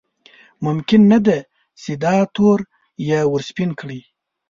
ممکن نه ده چې دا تور یې ورسپین کړي.